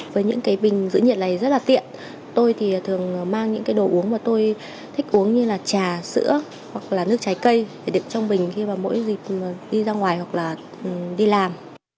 với những cái bình giữ nhiệt này rất là tiện tôi thì thường mang những cái đồ uống mà tôi thích uống như là trà sữa hoặc là nước trái cây để trong bình khi mà mỗi dịp đi ra ngoài hoặc là đi làm